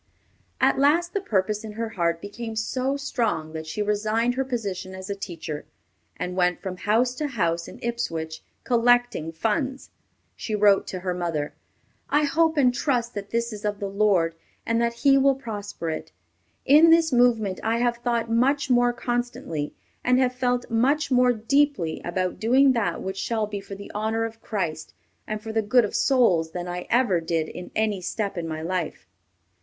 At last the purpose in her heart became so strong that she resigned her position as a teacher, and went from house to house in Ipswich collecting funds. She wrote to her mother, "I hope and trust that this is of the Lord, and that He will prosper it. In this movement I have thought much more constantly, and have felt much more deeply, about doing that which shall be for the honor of Christ, and for the good of souls, than I ever did in any step in my life."